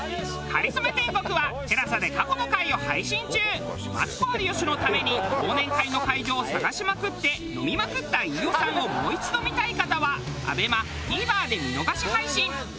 『かりそめ天国』はマツコ有吉のために忘年会の会場を探しまくって飲みまくった飯尾さんをもう一度見たい方はＡＢＥＭＡＴＶｅｒで見逃し配信！